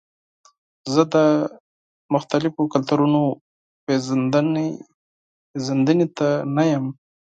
زه د مختلفو کلتورونو پیژندنې ته نه یم.